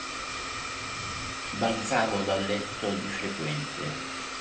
Balzavo dal letto di frequente.